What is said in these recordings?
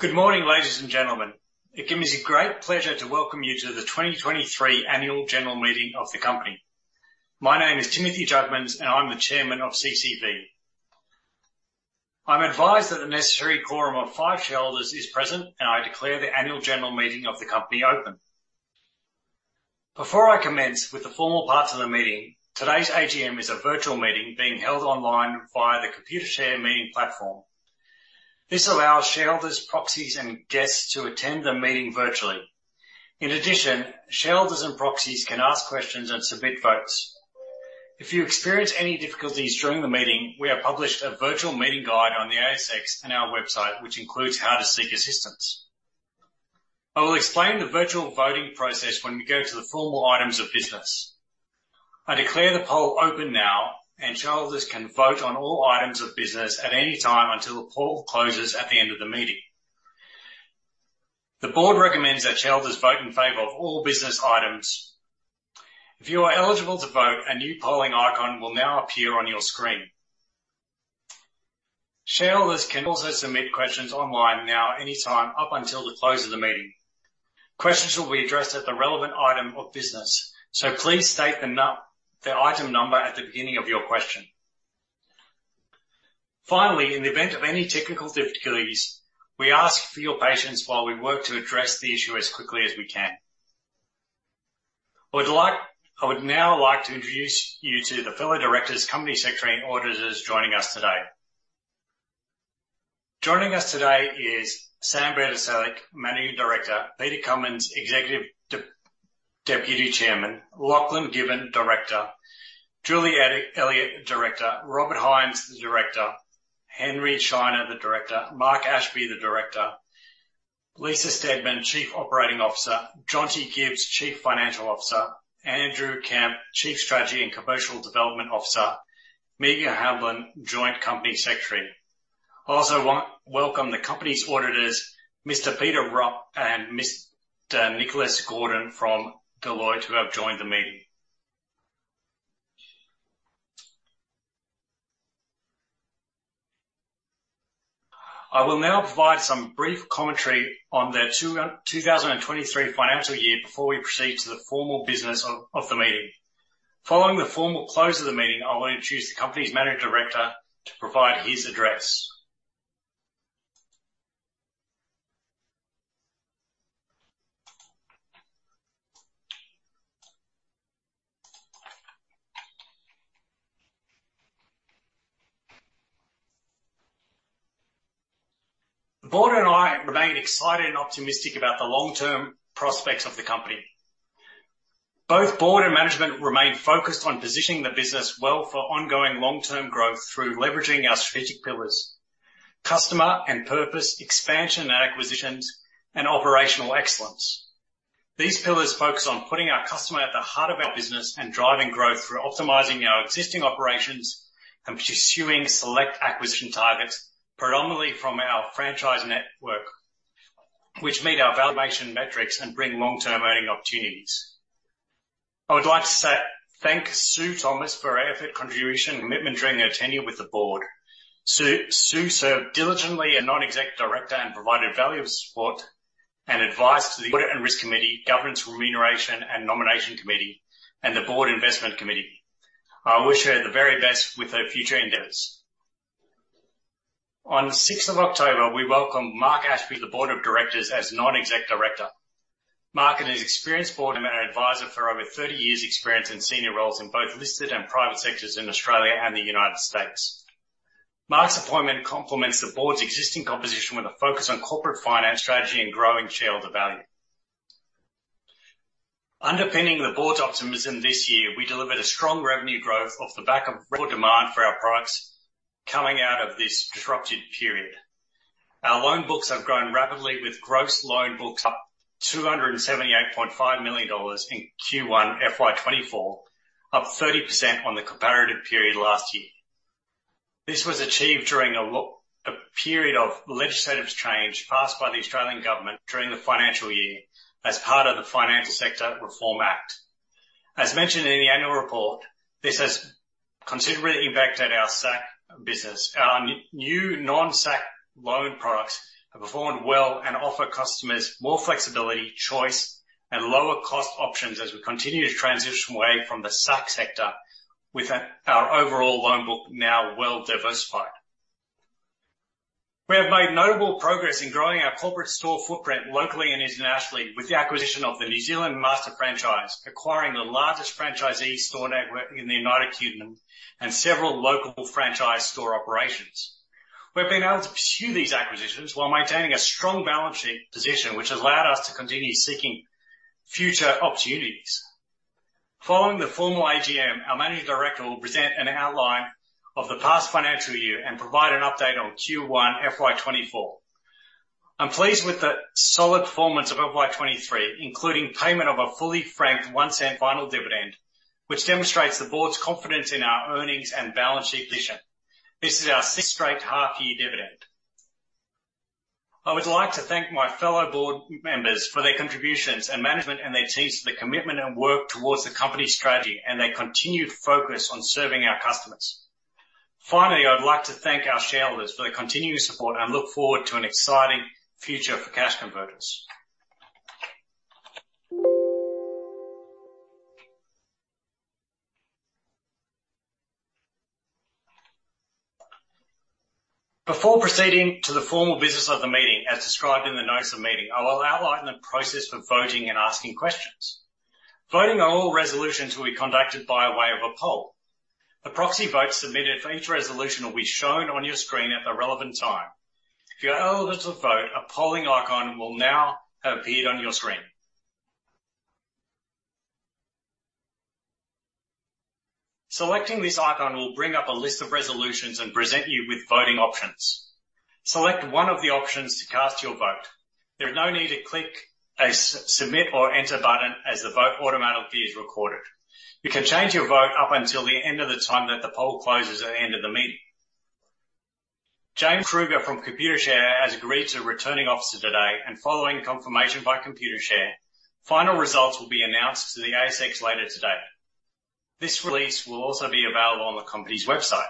Good morning, ladies and gentlemen. It gives me great pleasure to welcome you to the 2023 annual general meeting of the company. My name is Timothy Jugmans, and I'm the Chairman of CCV. I'm advised that the necessary quorum of five shareholders is present, and I declare the annual general meeting of the company open. Before I commence with the formal parts of the meeting, today's AGM is a virtual meeting being held online via the Computershare Meeting platform. This allows shareholders, proxies, and guests to attend the meeting virtually. In addition, shareholders and proxies can ask questions and submit votes. If you experience any difficulties during the meeting, we have published a virtual meeting guide on the ASX and our website, which includes how to seek assistance. I will explain the virtual voting process when we go to the formal items of business. I declare the poll open now, and shareholders can vote on all items of business at any time until the poll closes at the end of the meeting. The board recommends that shareholders vote in favor of all business items. If you are eligible to vote, a new polling icon will now appear on your screen. Shareholders can also submit questions online now, anytime up until the close of the meeting. Questions will be addressed at the relevant item of business, so please state the item number at the beginning of your question. Finally, in the event of any technical difficulties, we ask for your patience while we work to address the issue as quickly as we can. I would now like to introduce you to the fellow directors, company secretary, and auditors joining us today. Joining us today is Sam Budiselik, Managing Director. Peter Cumins, Executive Deputy Chairman. Lachlan Given, Director. Julie Elliott, Director. Robert Hines, Director. Henry Shiner, Director. Mark Ashby, Director. Lisa Stedman, Chief Operating Officer. Jonty Gibbs, Chief Financial Officer. Andrew Kemp, Chief Strategy and Commercial Development Officer. Meagan Hamblin, Joint Company Secretary. I also welcome the company's auditors, Mr. Peter Rupp and Mr. Nicholas Gordon from Deloitte, who have joined the meeting. I will now provide some brief commentary on the 2023 financial year before we proceed to the formal business of the meeting. Following the formal close of the meeting, I will introduce the company's Managing Director to provide his address. The board and I remain excited and optimistic about the long-term prospects of the company. Both board and management remain focused on positioning the business well for ongoing long-term growth through leveraging our strategic pillars, customer and purpose, expansion and acquisitions, and operational excellence. These pillars focus on putting our customer at the heart of our business and driving growth through optimizing our existing operations and pursuing select acquisition targets, predominantly from our franchise network, which meet our valuation metrics and bring long-term earning opportunities. I would like to thank Sue Thomas for her effort, contribution, and commitment during her tenure with the board. Sue served diligently as Non-Exec Director and provided valuable support and advice to the Audit and Risk Committee, Governance, Remuneration, and Nomination Committee, and the Board Investment Committee. I wish her the very best with her future endeavors. On the sixth of October, we welcomed Mark Ashby to the board of directors as Non-Exec Director. Mark is an experienced board member and advisor for over 30 years' experience in senior roles in both listed and private sectors in Australia and the United States. Mark's appointment complements the board's existing composition, with a focus on corporate finance, strategy, and growing shareholder value. Underpinning the board's optimism this year, we delivered a strong revenue growth off the back of real demand for our products coming out of this disrupted period. Our loan books have grown rapidly, with gross loan books up 278.5 million dollars in Q1 FY 2024, up 30% on the comparative period last year. This was achieved during a period of legislative change passed by the Australian government during the financial year as part of the Financial Sector Reform Act. As mentioned in the annual report, this has considerably impacted our SACC business. Our new non-SACC loan products have performed well and offer customers more flexibility, choice, and lower cost options as we continue to transition away from the SACC sector with our overall loan book now well diversified. We have made notable progress in growing our corporate store footprint locally and internationally with the acquisition of the New Zealand Master franchise, acquiring the largest franchisee store network in the United Kingdom and several local franchise store operations. We've been able to pursue these acquisitions while maintaining a strong balance sheet position, which has allowed us to continue seeking future opportunities. Following the formal AGM, our Managing Director will present an outline of the past financial year and provide an update on Q1 FY 2024. I'm pleased with the solid performance of FY 2023, including payment of a fully franked 0.01 final dividend, which demonstrates the board's confidence in our earnings and balance sheet position. This is our sixth straight half year dividend. I would like to thank my fellow board members for their contributions and management and their teams for the commitment and work towards the company strategy and their continued focus on serving our customers.... Finally, I'd like to thank our shareholders for their continued support and look forward to an exciting future for Cash Converters. Before proceeding to the formal business of the meeting, as described in the Notice of Meeting, I will outline the process for voting and asking questions. Voting on all resolutions will be conducted by way of a poll. The proxy votes submitted for each resolution will be shown on your screen at the relevant time. If you are eligible to vote, a polling icon will now have appeared on your screen. Selecting this icon will bring up a list of resolutions and present you with voting options. Select one of the options to cast your vote. There is no need to click a submit or enter button as the vote automatically is recorded. You can change your vote up until the end of the time that the poll closes at the end of the meeting. James Kruger from Computershare has agreed to the Returning Officer today, and following confirmation by Computershare, final results will be announced to the ASX later today. This release will also be available on the company's website.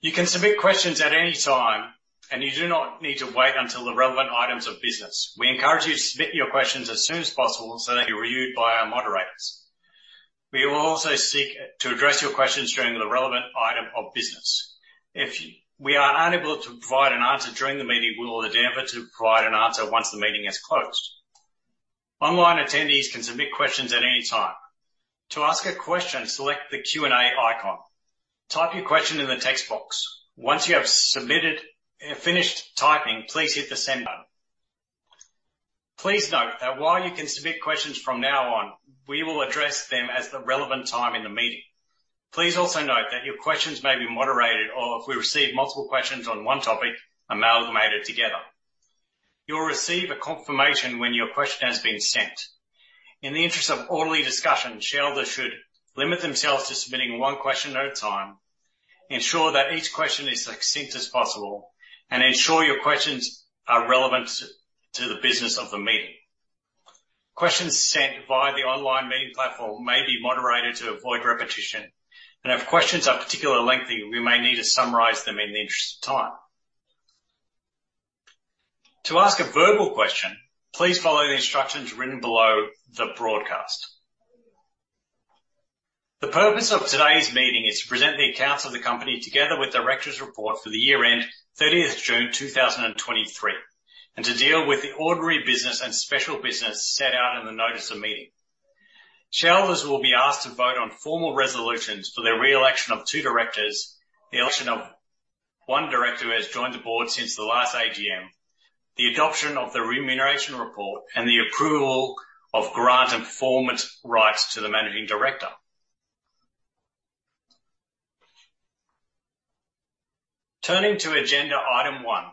You can submit questions at any time, and you do not need to wait until the relevant items of business. We encourage you to submit your questions as soon as possible so they can be reviewed by our moderators. We will also seek to address your questions during the relevant item of business. If we are unable to provide an answer during the meeting, we will endeavor to provide an answer once the meeting has closed. Online attendees can submit questions at any time. To ask a question, select the Q&A icon. Type your question in the text box. Once you have submitted, finished typing, please hit the Send button. Please note that while you can submit questions from now on, we will address them at the relevant time in the meeting. Please also note that your questions may be moderated, or if we receive multiple questions on one topic, amalgamated together. You will receive a confirmation when your question has been sent. In the interest of orderly discussion, shareholders should limit themselves to submitting one question at a time, ensure that each question is as succinct as possible, and ensure your questions are relevant to the business of the meeting. Questions sent via the online meeting platform may be moderated to avoid repetition, and if questions are particularly lengthy, we may need to summarize them in the interest of time. To ask a verbal question, please follow the instructions written below the broadcast. The purpose of today's meeting is to present the accounts of the company, together with the Directors' Report for the year end 30th June 2023, and to deal with the ordinary business and special business set out in the Notice of Meeting. Shareholders will be asked to vote on formal resolutions for the re-election of two directors, the election of one director who has joined the board since the last AGM, the adoption of the remuneration report, and the approval of grant and performance rights to the Managing Director. Turning to agenda item one.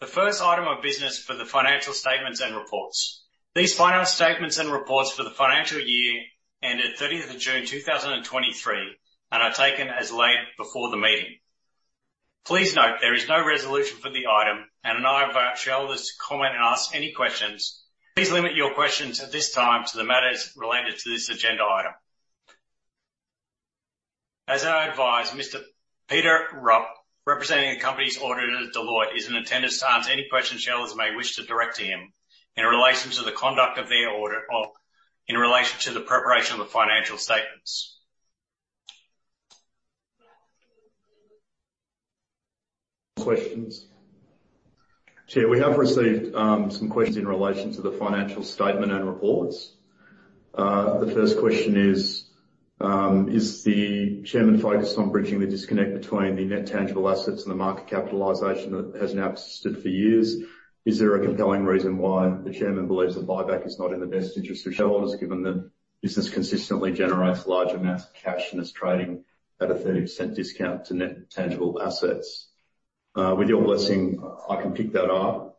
The first item of business for the financial statements and reports. These financial statements and reports for the financial year ended 30th of June, 2023, and are taken as laid before the meeting. Please note there is no resolution for the item and allow our shareholders to comment and ask any questions. Please limit your questions at this time to the matters related to this agenda item. As I advised, Mr. Peter Rupp, representing the company's auditor, Deloitte, is in attendance to answer any questions shareholders may wish to direct to him in relation to the conduct of their audit or in relation to the preparation of the financial statements. Questions. Chair, we have received some questions in relation to the financial statement and reports. The first question is: Is the chairman focused on bridging the disconnect between the net tangible assets and the market capitalization that has now persisted for years? Is there a compelling reason why the chairman believes the buyback is not in the best interest of shareholders, given that business consistently generates large amounts of cash and is trading at a 30% discount to net tangible assets? With your blessing, I can pick that up.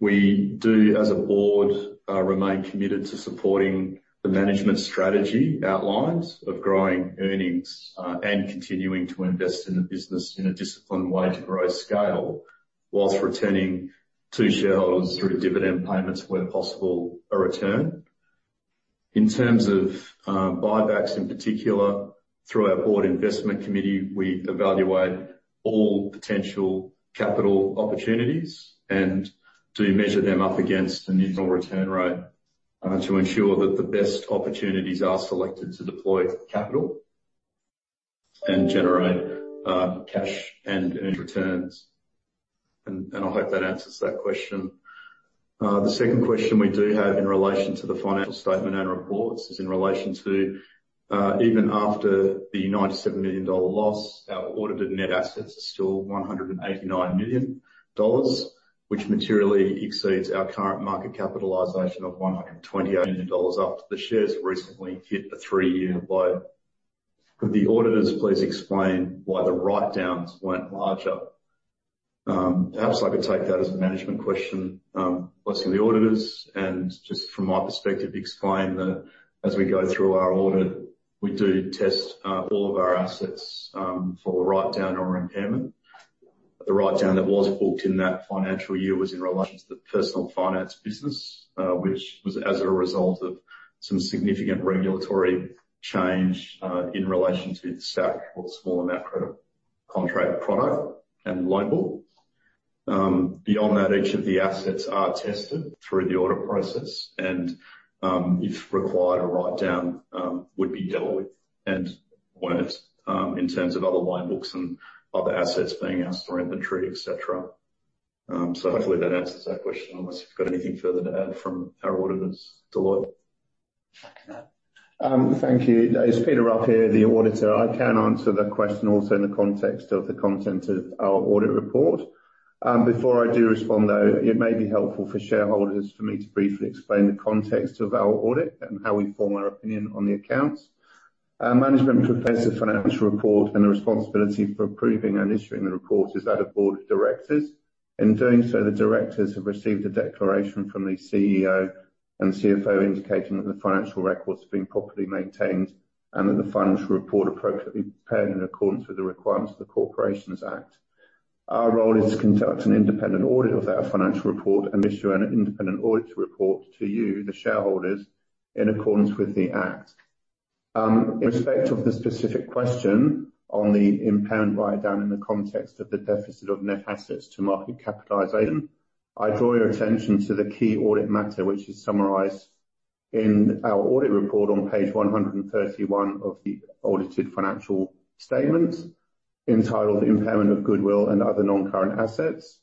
We do, as a board, remain committed to supporting the management strategy outlines of growing earnings, and continuing to invest in the business in a disciplined way to grow scale, while returning to shareholders through dividend payments, where possible, a return. In terms of buybacks, in particular, through our Board Investment Committee, we evaluate all potential capital opportunities and do measure them up against an internal return rate to ensure that the best opportunities are selected to deploy capital and generate cash and earned returns. And I hope that answers that question. The second question we do have in relation to the financial statement and reports is in relation to even after the AUD 97 million loss, our audited net assets are still AUD 189 million, which materially exceeds our current market capitalization of AUD 128 million, after the shares recently hit a three-year low. Could the auditors please explain why the write-downs weren't larger? Perhaps I could take that as a management question, less of the auditors, and just from my perspective, explain that as we go through our audit, we do test all of our assets for write-down or impairment. The write-down that was booked in that financial year was in relation to the personal finance business, which was as a result of some significant regulatory change in relation to the SACC or small amount credit contract product and loan book. Beyond that, each of the assets are tested through the audit process, and if required, a write-down would be dealt with and worked in terms of other loan books and other assets being asked for inventory, et cetera. So hopefully that answers that question, unless you've got anything further to add from our auditors, Deloitte? Thank you. It's Peter Rupp here, the auditor. I can answer the question also in the context of the content of our audit report. Before I do respond, though, it may be helpful for shareholders for me to briefly explain the context of our audit and how we form our opinion on the accounts. Management prepares the financial report, and the responsibility for approving and issuing the report is at a board of directors. In doing so, the directors have received a declaration from the CEO and CFO, indicating that the financial records are being properly maintained and that the financial report appropriately prepared in accordance with the requirements of the Corporations Act. Our role is to conduct an independent audit of that financial report and issue an independent audit report to you, the shareholders, in accordance with the Act. In respect of the specific question on the impairment write-down in the context of the deficit of net assets to market capitalization, I draw your attention to the key audit matter, which is summarized in our audit report on page 131 of the audited financial statement, entitled Impairment of Goodwill and Other Non-Current Assets.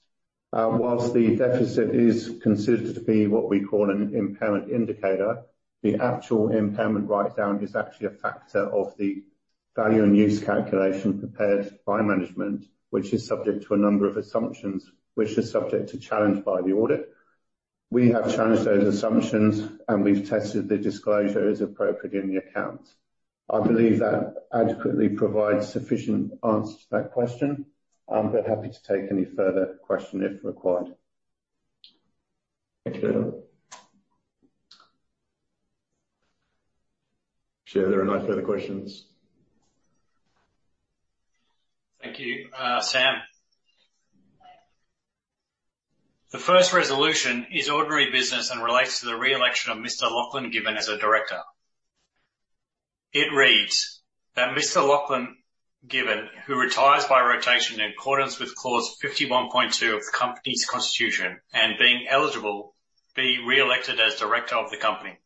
While the deficit is considered to be what we call an impairment indicator, the actual impairment write-down is actually a factor of the value and use calculation prepared by management, which is subject to a number of assumptions, which are subject to challenge by the audit. We have challenged those assumptions, and we've tested the disclosure is appropriate in the accounts. I believe that adequately provides sufficient answer to that question, but happy to take any further question if required. Thank you. Chair, there are no further questions. Thank you. Sam. The first resolution is ordinary business and relates to the re-election of Mr. Lachlan Given as a Director. It reads that Mr. Lachlan Given, who retires by rotation in accordance with Clause 51.2 of the company's constitution, and being eligible, be re-elected as Director of the company.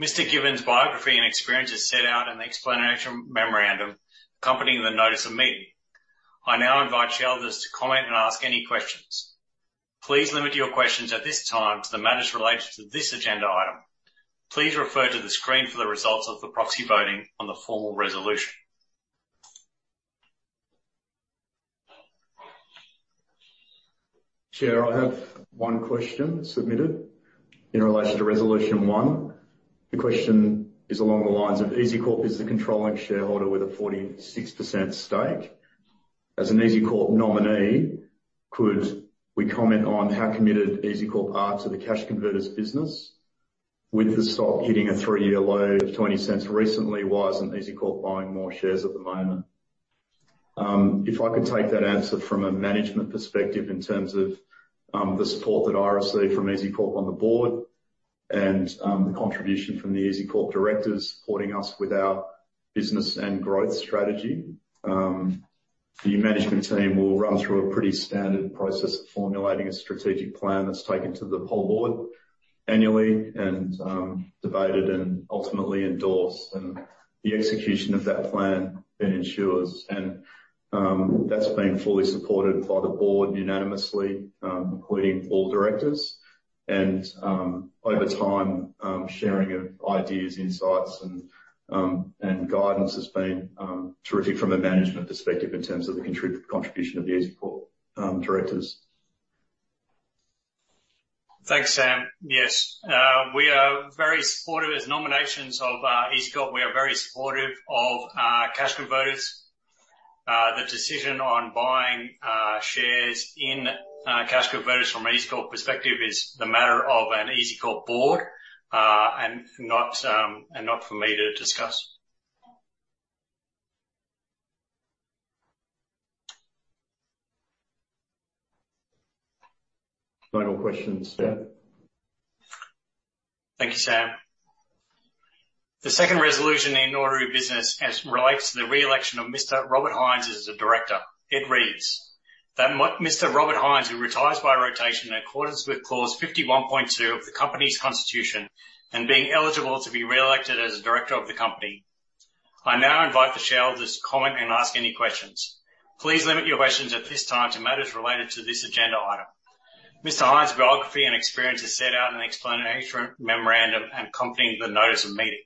Mr. Given's biography and experience is set out in the Explanatory Memorandum accompanying the Notice of Meeting. I now invite shareholders to comment and ask any questions. Please limit your questions at this time to the matters related to this agenda item. Please refer to the screen for the results of the proxy voting on the formal resolution. Chair, I have one question submitted in relation to resolution one. The question is along the lines of: EZCORP is the controlling shareholder with a 46% stake. As an EZCORP nominee, could we comment on how committed EZCORP are to the Cash Converters business? With the stock hitting a 3-year low of 0.20 recently, why isn't EZCORP buying more shares at the moment? If I could take that answer from a management perspective in terms of the support that I receive from EZCORP on the board and the contribution from the EZCORP directors supporting us with our business and growth strategy. The management team will run through a pretty standard process of formulating a strategic plan that's taken to the whole board annually and debated and ultimately endorsed, and the execution of that plan then ensures. That's been fully supported by the board unanimously, including all directors. Over time, sharing of ideas, insights, and guidance has been terrific from a management perspective in terms of the contribution of the EZCORP directors. Thanks, Sam. Yes, we are very supportive as nominations of EZCORP. We are very supportive of Cash Converters. The decision on buying shares in Cash Converters from an EZCORP perspective is the matter of an EZCORP board, and not for me to discuss. No more questions, Chair. Thank you, Sam. The second resolution in ordinary business as relates to the re-election of Mr. Robert Hines as a Director. It reads that Mr. Robert Hines, who retires by rotation in accordance with Clause 51.2 of the company's constitution, and being eligible to be re-elected as a Director of the company. I now invite the shareholders to comment and ask any questions. Please limit your questions at this time to matters related to this agenda item. Mr. Hines' biography and experience is set out in the explanatory memorandum accompanying the Notice of Meeting.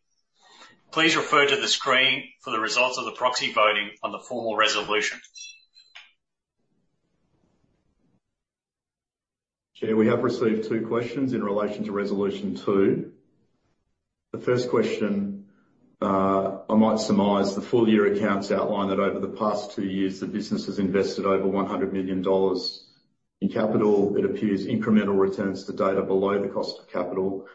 Please refer to the screen for the results of the proxy voting on the formal resolution. Chair, we have received two questions in relation to resolution two. The first question, I might surmise the full year accounts outline that over the past two years, the business has invested over 100 million dollars in capital. It appears incremental returns to date below the cost of capital.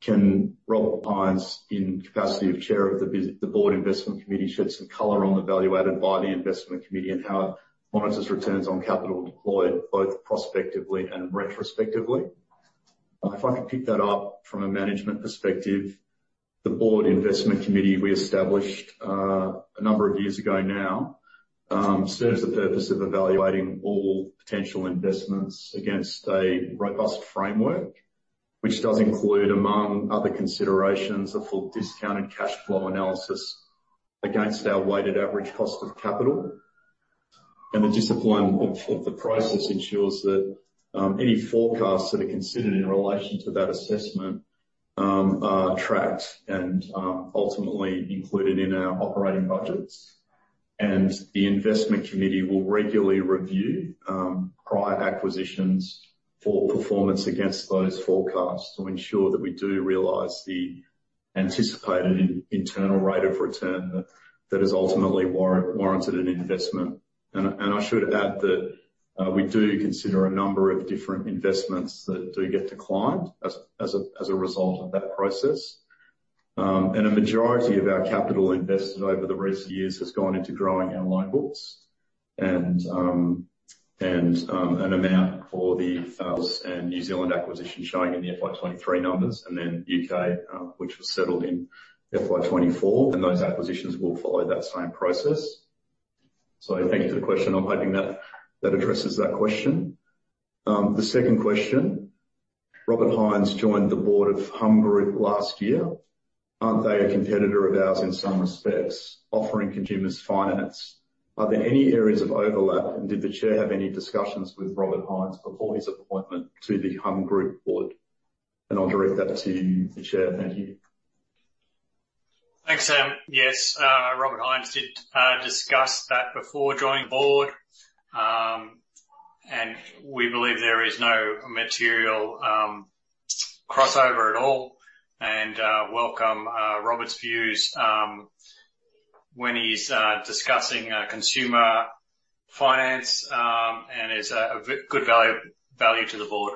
Can Robert Hines, in capacity of Chair of the Board Investment Committee, shed some color on the value added by the investment committee and how it monitors returns on capital deployed, both prospectively and retrospectively? If I could pick that up from a management perspective, the Board Investment Committee we established a number of years ago now serves the purpose of evaluating all potential investments against a robust framework, which does include, among other considerations, a full discounted cash flow analysis against our weighted average cost of capital. The discipline of the process ensures that any forecasts that are considered in relation to that assessment are tracked and ultimately included in our operating budgets. The investment committee will regularly review prior acquisitions for performance against those forecasts to ensure that we do realize the anticipated internal rate of return that has ultimately warranted an investment. I should add that we do consider a number of different investments that do get declined as a result of that process. A majority of our capital invested over the recent years has gone into growing our loan books. An amount for the New Zealand acquisition showing in the FY 2023 numbers, and then UK, which was settled in FY 2024, and those acquisitions will follow that same process. So thank you for the question. I'm hoping that, that addresses that question. The second question, Robert Hines joined the board of Humm Group last year. Aren't they a competitor of ours in some respects, offering consumers finance? Are there any areas of overlap, and did the chair have any discussions with Robert Hines before his appointment to the Humm Group board? And I'll direct that to you, the chair. Thank you. Thanks, Sam. Yes, Robert Hines did discuss that before joining the board. And we believe there is no material crossover at all, and welcome Robert's views when he's discussing consumer finance, and is a very good value to the board.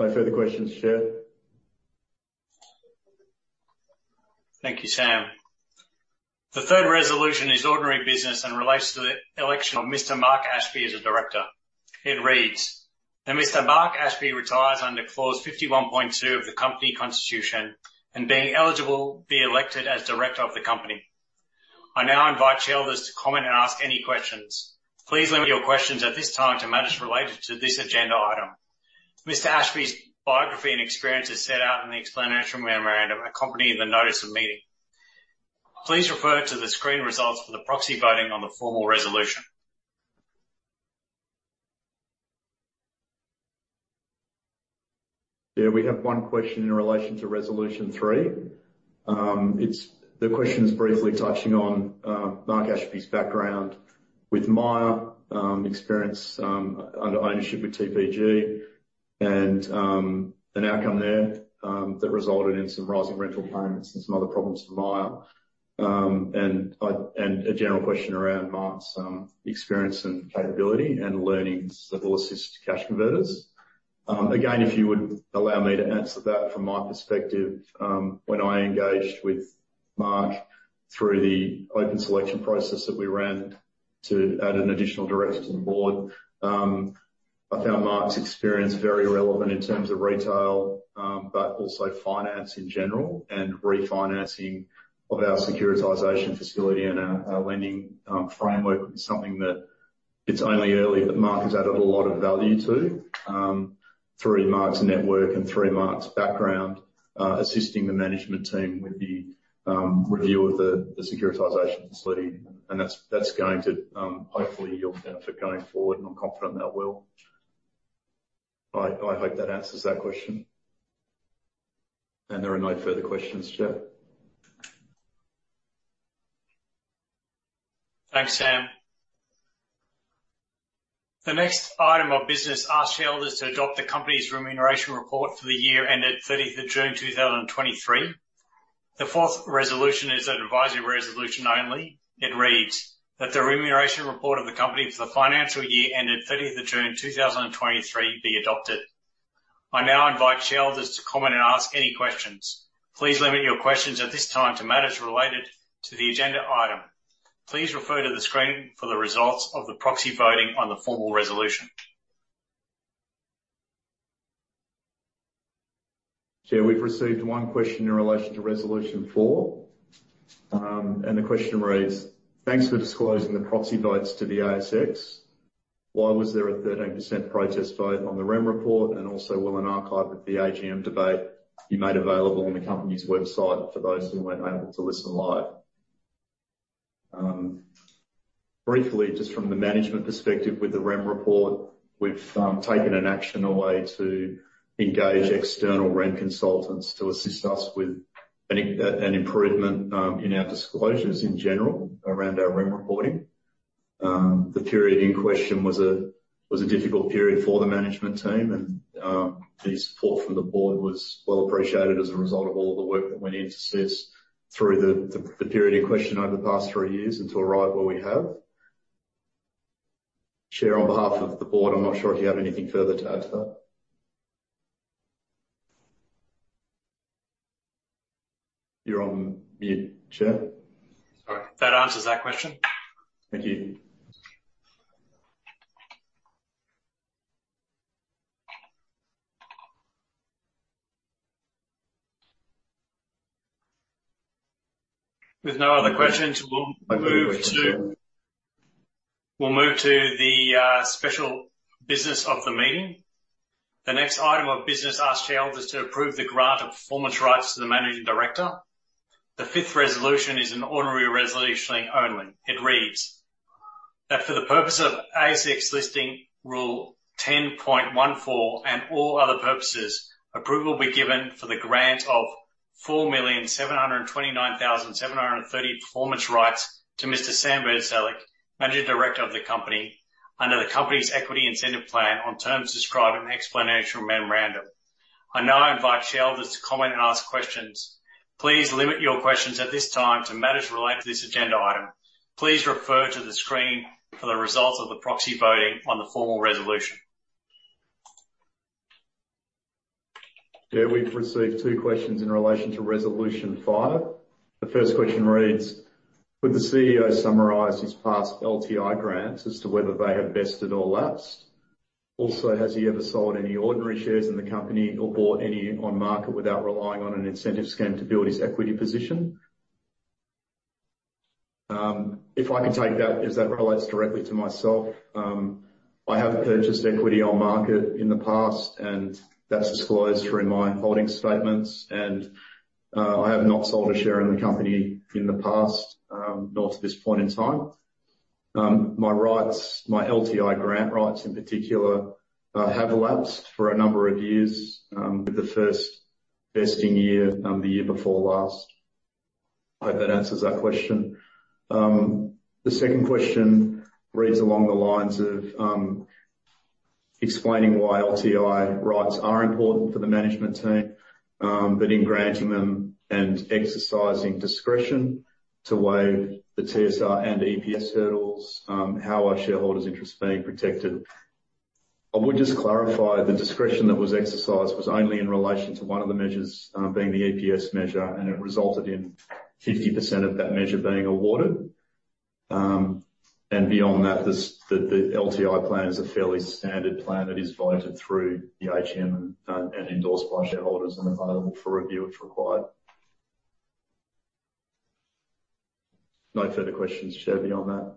No further questions, Chair. Thank you, Sam. The third resolution is ordinary business and relates to the election of Mr. Mark Ashby as a Director. It reads: "That Mr. Mark Ashby retires under clause 51.2 of the company constitution, and being eligible, be elected as Director of the company." I now invite shareholders to comment and ask any questions. Please limit your questions at this time to matters related to this agenda item. Mr. Ashby's biography and experience is set out in the explanatory memorandum accompanying the Notice of Meeting. Please refer to the screen results for the proxy voting on the formal resolution. Yeah, we have one question in relation to resolution three. It's the question is briefly touching on Mark Ashby's background with Myer, experience, under ownership with TPG, and an outcome there that resulted in some rising rental payments and some other problems for Myer. And a general question around Mark's experience and capability and learnings that will assist Cash Converters. Again, if you would allow me to answer that from my perspective. When I engaged with Mark through the open selection process that we ran to add an additional director to the board, I found Mark's experience very relevant in terms of retail, but also finance in general, and refinancing of our securitization facility and our lending framework is something that it's only early, but Mark has added a lot of value to through Mark's network and through Mark's background, assisting the management team with the review of the securitization facility. And that's going to hopefully yield benefit going forward, and I'm confident that will. I hope that answers that question. There are no further questions, Chair. Thanks, Sam. The next item of business asks shareholders to adopt the company's Remuneration Report for the year ended 30th of June, 2023. The fourth resolution is an advisory resolution only. It reads: "That the Remuneration Report of the company for the financial year ended 30th of June 2023 be adopted." I now invite shareholders to comment and ask any questions. Please limit your questions at this time to matters related to the agenda item. Please refer to the screen for the results of the proxy voting on the formal resolution. Chair, we've received one question in relation to resolution 4. And the question reads: Thanks for disclosing the proxy votes to the ASX. Why was there a 13% protest vote on the REM report? And also, will an archive of the AGM debate be made available on the company's website for those who weren't able to listen live? Briefly, just from the management perspective with the REM report, we've taken an action away to engage external REM consultants to assist us with any improvement in our disclosures in general around our REM reporting.... The period in question was a difficult period for the management team, and the support from the board was well appreciated as a result of all the work that went into this through the period in question over the past three years, and to arrive where we have. Chair, on behalf of the board, I'm not sure if you have anything further to add to that. You're on mute, Chair. Sorry. That answers that question. Thank you. With no other questions, we'll move to the special business of the meeting. The next item of business asks shareholders to approve the grant of performance rights to the Managing Director. The fifth resolution is an ordinary resolution only. It reads, "That for the purpose of ASX Listing Rule 10.14, and all other purposes, approval be given for the grant of 4,729,730 performance rights to Mr. Sam Budiselik, Managing Director of the company, under the company's equity incentive plan on terms described in the Explanatory Memorandum." I now invite shareholders to comment and ask questions. Please limit your questions at this time to matters relating to this agenda item. Please refer to the screen for the results of the proxy voting on the formal resolution. Yeah, we've received two questions in relation to resolution five. The first question reads: "Would the CEO summarize his past LTI grants as to whether they have vested or lapsed? Also, has he ever sold any ordinary shares in the company or bought any on market without relying on an incentive scheme to build his equity position?" If I can take that, as that relates directly to myself. I have purchased equity on market in the past, and that's disclosed through my holdings statements, and I have not sold a share in the company in the past, nor to this point in time. My rights, my LTI grant rights in particular, have elapsed for a number of years, with the first vesting year, the year before last. I hope that answers that question. The second question reads along the lines of, explaining why LTI rights are important for the management team, but in granting them and exercising discretion to waive the TSR and EPS hurdles, how are shareholders' interests being protected? I would just clarify, the discretion that was exercised was only in relation to one of the measures, being the EPS measure, and it resulted in 50% of that measure being awarded. And beyond that, the LTI plan is a fairly standard plan that is voted through the AGM and endorsed by shareholders and available for review, if required. No further questions, Chair, beyond that.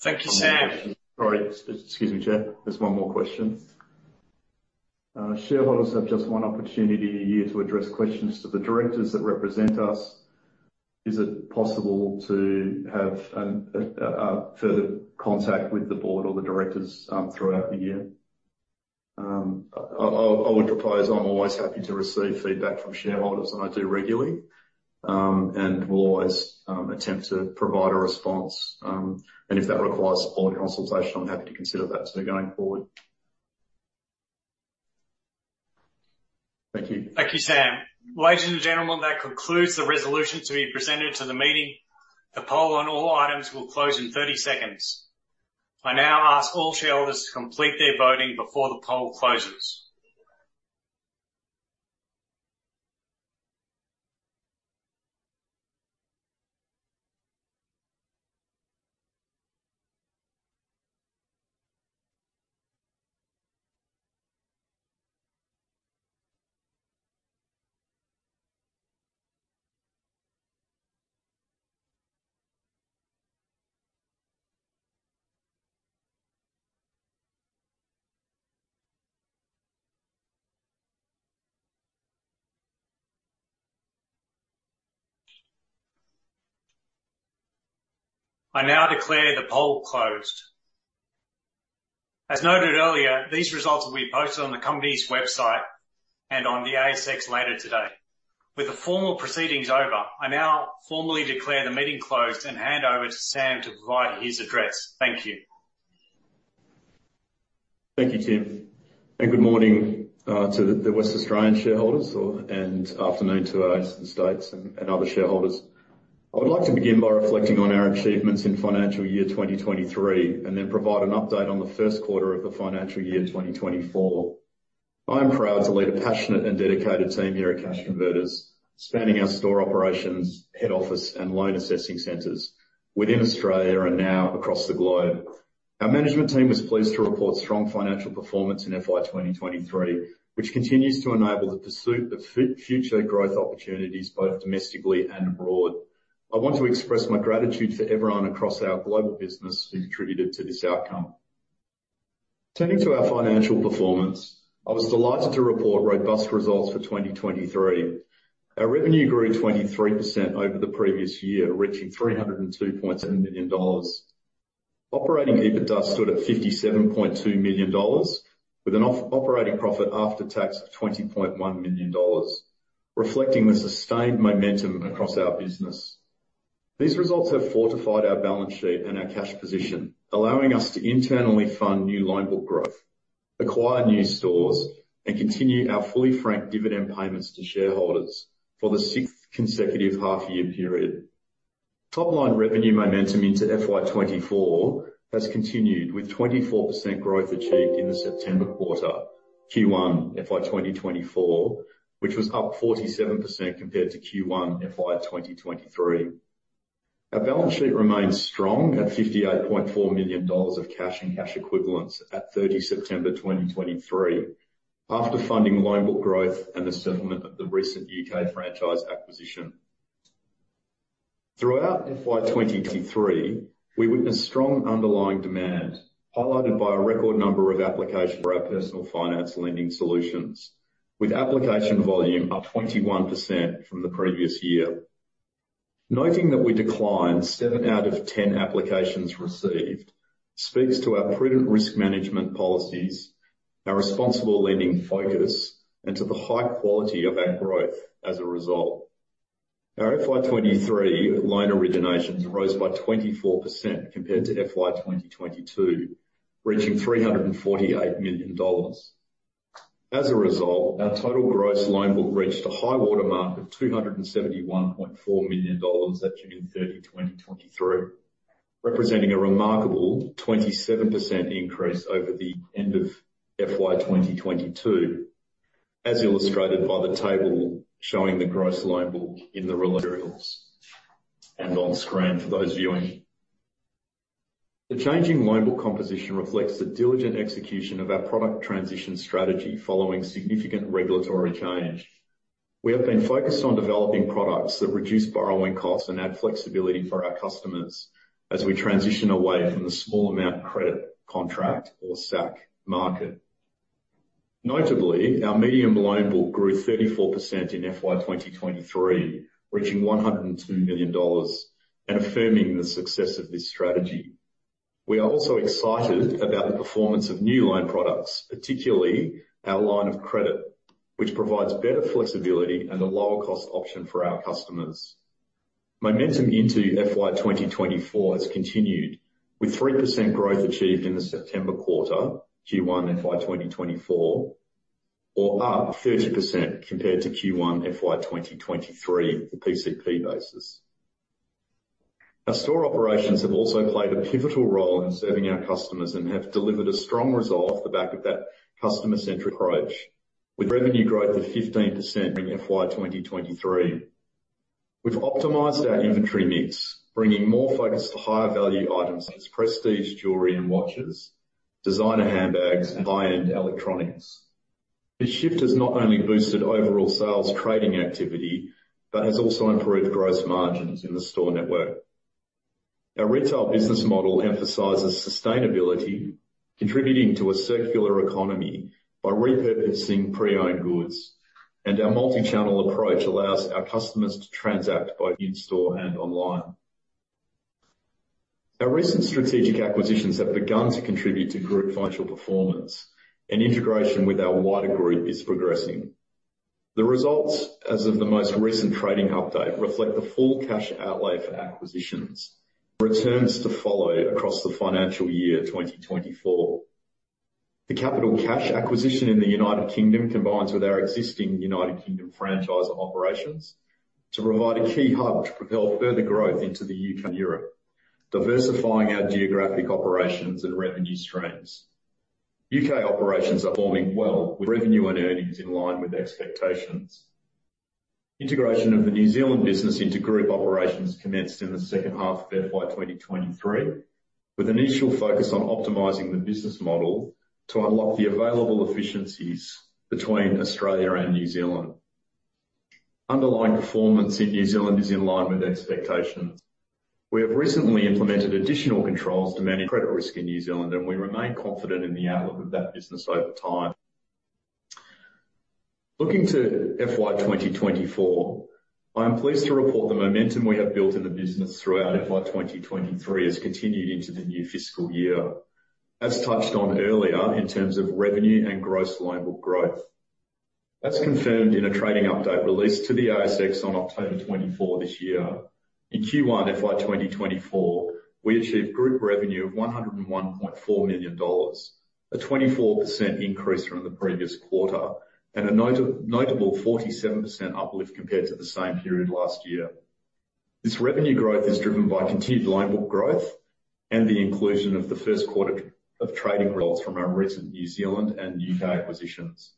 Thank you, Sam. Sorry, excuse me, Chair. There's one more question. "Shareholders have just one opportunity a year to address questions to the directors that represent us. Is it possible to have further contact with the board or the directors throughout the year?" I would propose I'm always happy to receive feedback from shareholders, and I do regularly, and will always attempt to provide a response. And if that requires further consultation, I'm happy to consider that too going forward. Thank you. Thank you, Sam. Ladies and gentlemen, that concludes the resolution to be presented to the meeting. The poll on all items will close in 30 seconds. I now ask all shareholders to complete their voting before the poll closes. I now declare the poll closed. As noted earlier, these results will be posted on the company's website and on the ASX later today. With the formal proceedings over, I now formally declare the meeting closed and hand over to Sam to provide his address. Thank you. Thank you, Tim, and good morning to the West Australian shareholders, or afternoon to our eastern states and other shareholders. I would like to begin by reflecting on our achievements in financial year 2023, and then provide an update on the first quarter of the financial year 2024. I am proud to lead a passionate and dedicated team here at Cash Converters, spanning our store operations, head office, and loan assessing centers within Australia and now across the globe. Our management team is pleased to report strong financial performance in FY 2023, which continues to enable the pursuit of future growth opportunities, both domestically and abroad. I want to express my gratitude to everyone across our global business who contributed to this outcome. Turning to our financial performance, I was delighted to report robust results for 2023. Our revenue grew 23% over the previous year, reaching 302.7 million dollars. Operating EBITDA stood at 57.2 million dollars, with operating profit after tax of 20.1 million dollars, reflecting the sustained momentum across our business. These results have fortified our balance sheet and our cash position, allowing us to internally fund new loan book growth, acquire new stores, and continue our fully franked dividend payments to shareholders for the sixth consecutive half year period. Top line revenue momentum into FY 2024 has continued, with 24% growth achieved in the September quarter, Q1 FY 2024, which was up 47% compared to Q1 FY 2023. Our balance sheet remains strong at AUD 58.4 million of cash and cash equivalents at 30 September 2023, after funding loan book growth and the settlement of the recent UK franchise acquisition. Throughout FY 2023, we witnessed strong underlying demand, highlighted by a record number of applications for our personal finance lending solutions, with application volume up 21% from the previous year. Noting that we declined 7 out of 10 applications received, speaks to our prudent risk management policies, our responsible lending focus, and to the high quality of our growth as a result. Our FY 2023 loan originations rose by 24% compared to FY 2022, reaching 348 million dollars. As a result, our total gross loan book reached a high-water mark of 271.4 million dollars at June 30, 2023, representing a remarkable 27% increase over the end of FY 2022, as illustrated by the table showing the gross loan book in the materials and on screen for those viewing. The changing loan book composition reflects the diligent execution of our product transition strategy following significant regulatory change. We have been focused on developing products that reduce borrowing costs and add flexibility for our customers, as we transition away from the Small Amount Credit Contract or SACC market. Notably, our medium loan book grew 34% in FY 2023, reaching 102 million dollars, and affirming the success of this strategy. We are also excited about the performance of new loan products, particularly our line of credit, which provides better flexibility and a lower cost option for our customers. Momentum into FY 2024 has continued, with 3% growth achieved in the September quarter, Q1 FY 2024, or up 30% compared to Q1 FY 2023, the PCP basis. Our store operations have also played a pivotal role in serving our customers and have delivered a strong result off the back of that customer-centric approach, with revenue growth of 15% in FY 2023. We've optimized our inventory mix, bringing more focus to higher value items such as prestige jewelry and watches, designer handbags, and high-end electronics. This shift has not only boosted overall sales trading activity, but has also improved gross margins in the store network. Our retail business model emphasizes sustainability, contributing to a circular economy by repurposing pre-owned goods, and our multi-channel approach allows our customers to transact both in-store and online. Our recent strategic acquisitions have begun to contribute to group financial performance, and integration with our wider group is progressing. The results as of the most recent trading update reflect the full cash outlay for acquisitions, returns to follow across the financial year 2024. The Capital Cash acquisition in the United Kingdom combines with our existing United Kingdom franchisor operations to provide a key hub to propel further growth into the UK and Europe, diversifying our geographic operations and revenue streams. UK operations are forming well, with revenue and earnings in line with expectations. Integration of the New Zealand business into group operations commenced in the second half of FY 2023, with an initial focus on optimizing the business model to unlock the available efficiencies between Australia and New Zealand. Underlying performance in New Zealand is in line with expectations. We have recently implemented additional controls to manage credit risk in New Zealand, and we remain confident in the outlook of that business over time. Looking to FY 2024, I am pleased to report the momentum we have built in the business throughout FY 2023 has continued into the new fiscal year. As touched on earlier, in terms of revenue and gross loan book growth, that's confirmed in a trading update released to the ASX on October 24 this year. In Q1 FY 2024, we achieved group revenue of 101.4 million dollars, a 24% increase from the previous quarter, and a notable 47% uplift compared to the same period last year. This revenue growth is driven by continued loan book growth and the inclusion of the first quarter of trading results from our recent New Zealand and UK acquisitions.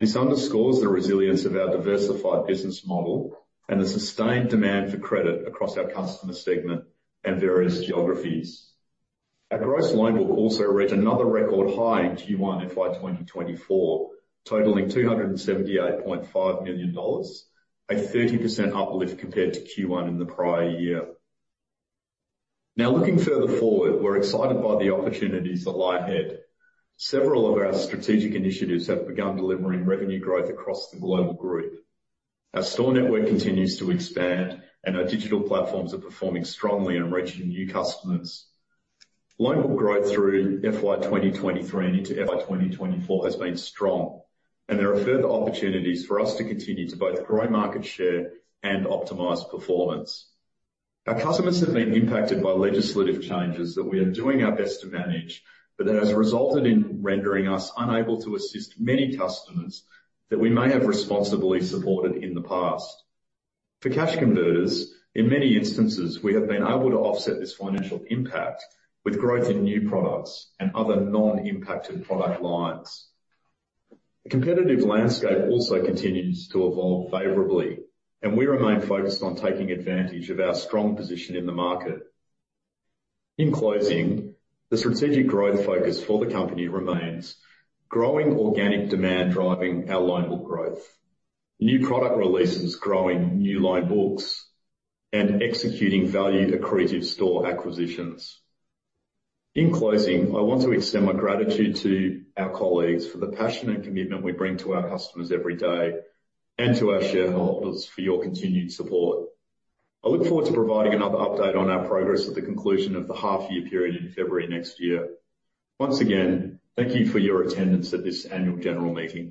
This underscores the resilience of our diversified business model and the sustained demand for credit across our customer segment and various geographies. Our gross loan book also reached another record high in Q1 FY 2024, totaling 278.5 million dollars, a 30% uplift compared to Q1 in the prior year. Now, looking further forward, we're excited by the opportunities that lie ahead. Several of our strategic initiatives have begun delivering revenue growth across the global group. Our store network continues to expand, and our digital platforms are performing strongly and reaching new customers. Loan book growth through FY 2023 and into FY 2024 has been strong, and there are further opportunities for us to continue to both grow market share and optimize performance. Our customers have been impacted by legislative changes that we are doing our best to manage, but that has resulted in rendering us unable to assist many customers that we may have responsibly supported in the past. For Cash Converters, in many instances, we have been able to offset this financial impact with growth in new products and other non-impacted product lines. The competitive landscape also continues to evolve favorably, and we remain focused on taking advantage of our strong position in the market. In closing, the strategic growth focus for the company remains growing organic demand, driving our loan book growth, new product releases, growing new loan books, and executing value accretive store acquisitions. In closing, I want to extend my gratitude to our colleagues for the passion and commitment we bring to our customers every day, and to our shareholders for your continued support. I look forward to providing another update on our progress at the conclusion of the half year period in February next year. Once again, thank you for your attendance at this annual general meeting.